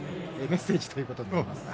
メッセージということです。